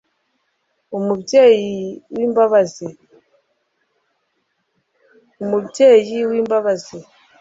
umubyeyi w'imbabazi